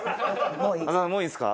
もういいんすか？